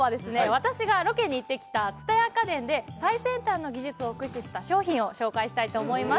私がロケに行ってきた蔦屋家電で最先端の技術を駆使した商品を紹介したいと思います